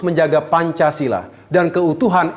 menjaga pancasila dan keutuhan